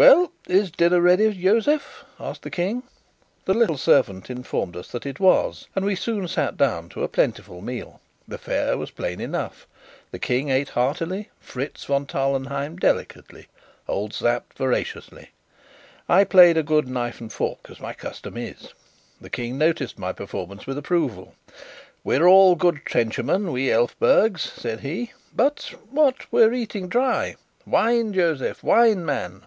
"Well, is dinner ready, Josef?" asked the King. The little servant informed us that it was, and we soon sat down to a plentiful meal. The fare was plain enough: the King ate heartily, Fritz von Tarlenheim delicately, old Sapt voraciously. I played a good knife and fork, as my custom is; the King noticed my performance with approval. "We're all good trenchermen, we Elphbergs," said he. "But what? we're eating dry! Wine, Josef! wine, man!